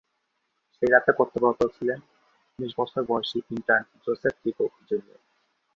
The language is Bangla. সেই রাতে কর্তব্যরত কর্মকর্তা ছিলেন উনিশ বছর বয়সী intern Joseph D Cook, junior.